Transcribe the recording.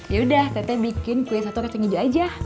yaudah tete bikin kue satu kacang ijo aja